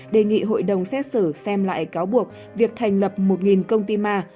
đề nghị hội đồng xét xử xem lại cáo buộc việc thành lập một công ty ma